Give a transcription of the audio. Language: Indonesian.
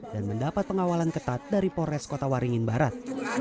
dan mendapat pengawalan ketat dari polres kota waringin barat